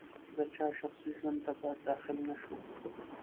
د چا شخصي ژوند ته باید داخل نه شو.